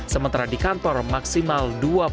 sementara di kantor maksimal dua puluh